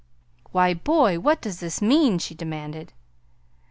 "Why, boy, what does this mean?" she demanded.